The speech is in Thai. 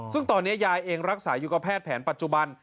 ซึ่งตอนนี้ยายเองรักษาอยู่กับแพทย์แผนปัจจุบัน